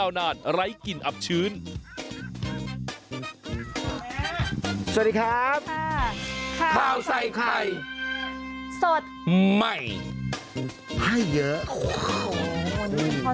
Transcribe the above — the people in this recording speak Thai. สวัสดีครับข้าวใส่ไข่สดใหม่ให้เยอะโอ้โห